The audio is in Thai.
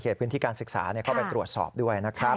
เขียนพื้นที่การศึกษาก็ไปตรวจสอบด้วย